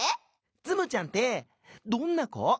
「ツムちゃんってどんなこ？」。